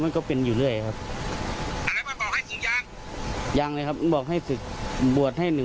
มันหนักเพราะอะไรก็คุ้มตัวเองไม่ได้หรือ